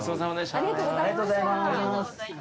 ありがとうございます。